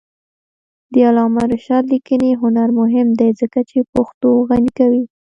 د علامه رشاد لیکنی هنر مهم دی ځکه چې پښتو غني کوي.